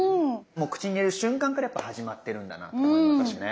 もう口に入れる瞬間からやっぱ始まってるんだなと思いますね。